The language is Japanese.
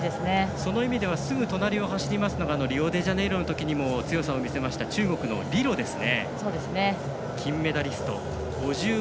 その意味ではすぐ隣を走りますのがリオデジャネイロのときにも強さを見せました中国の李露ですね。